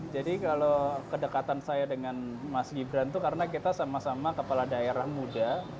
jadi kalau kedekatan saya dengan mas gibran itu karena kita sama sama kepala daerah muda